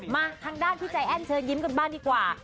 มาทางด้านพี่ใจแอ้นเชิญยิ้มกันบ้างดีกว่า